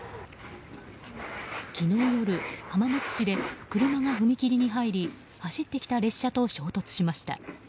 昨日夜、浜松市で車が踏切に入り走ってきた列車と衝突しました。